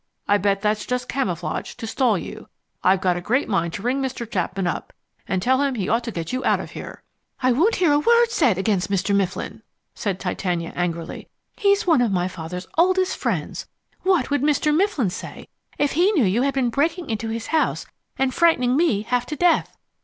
I bet that's just camouflage, to stall you. I've got a great mind to ring Mr. Chapman up and tell him he ought to get you out of here." "I won't hear a word said against Mr. Mifflin," said Titania angrily. "He's one of my father's oldest friends. What would Mr. Mifflin say if he knew you had been breaking into his house and frightening me half to death?